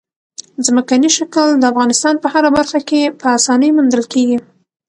ځمکنی شکل د افغانستان په هره برخه کې په اسانۍ موندل کېږي.